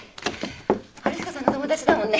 春彦さんの友達だもんね。